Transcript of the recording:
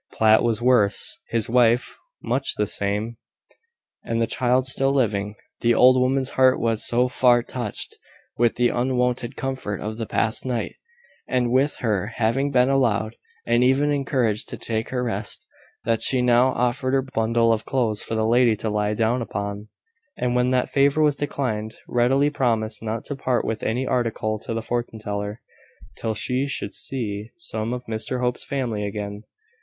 Platt was worse, his wife much the same, and the child still living. The old woman's heart was so far touched with the unwonted comfort of the past night, and with her having been allowed, and even encouraged, to take her rest, that she now offered her bundle of clothes for the lady to lie down upon; and when that favour was declined, readily promised not to part with any article to the fortune teller, till she should see some of Mr Hope's family again.